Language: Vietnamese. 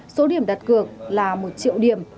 số điểm đặt cược là một triệu điểm